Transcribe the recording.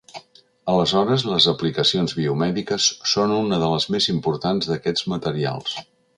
Aleshores, les aplicacions biomèdiques són una de les més importants d’aquests materials.